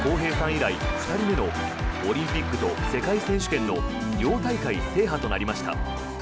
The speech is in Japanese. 以来２人目のオリンピックと世界選手権の両大会制覇となりました。